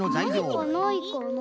なにかないかな？